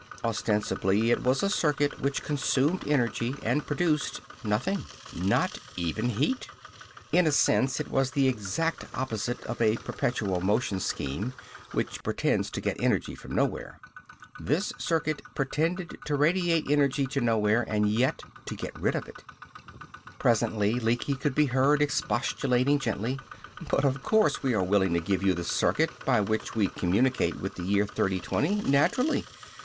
Ostensibly, it was a circuit which consumed energy and produced nothing not even heat. In a sense it was the exact opposite of a perpetual motion scheme, which pretends to get energy from nowhere. This circuit pretended to radiate energy to nowhere, and yet to get rid of it. Presently Lecky could be heard expostulating gently: "But of course we are willing to give you the circuit by which we communicate with the year 3020! Naturally!